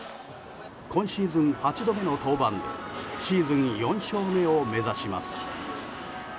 今シーズン８度目の登板でシーズン４勝目を目指します。